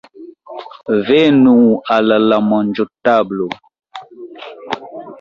Venu al la manĝotablo.